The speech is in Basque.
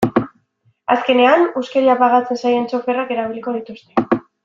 Azkenean, huskeria pagatzen zaien txoferrak erabiliko dituzte.